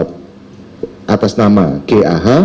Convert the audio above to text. baik pada sampel atas nama tuan d awe yaitu tujuh belas slide